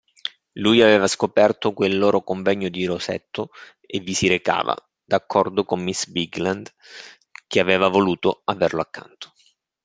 Lui aveva scoperto quel loro convegno di Rosetto e vi si recava, d'accordo con miss Bigland, che aveva voluto averlo accanto.